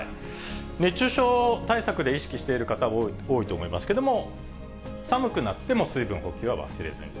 熱中症対策で意識している方、多いと思いますけども、寒くなっても水分補給は忘れずに。